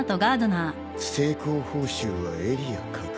成功報酬はエリア拡大。